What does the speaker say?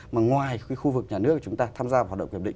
mà ngoài khu vực nhà nước chúng ta tham gia hoạt động hiệp định